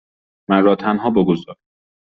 من را تنها بگذار.